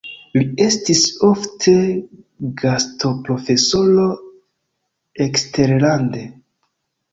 Li estis ofte gastoprofesoro eksterlande.